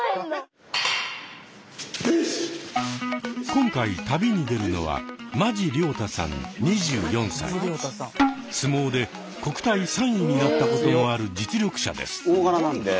今回旅に出るのは相撲で国体３位になったこともある実力者です。